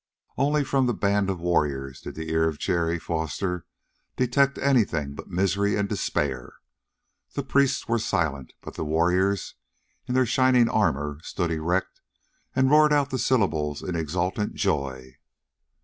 Only from the band of warriors did the ear of Jerry Foster detect anything but misery and despair. The priests were silent, but the warriors, in their shining armor, stood erect and roared out the syllables in exultant joy.